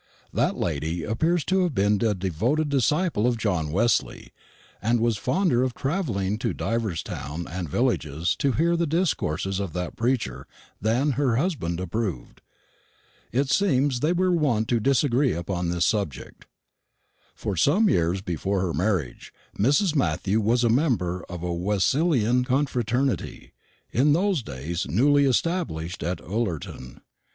That lady appears to have been a devoted disciple of John Wesley, and was fonder of travelling to divers towns and villages to hear the discourses of that preacher than her husband approved. It seems they were wont to disagree upon this subject. For some years before her marriage Mrs. Matthew was a member of a Wesleyan confraternity, in those days newly established at Ullerton.